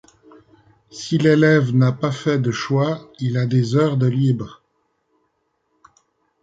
Si l’élève n’a pas fait de choix, il a des heures de libre.